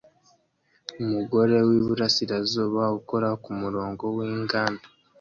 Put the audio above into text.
Umugore wiburasirazuba ukora kumurongo winganda